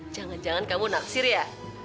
jangan jangan kamu naksir ya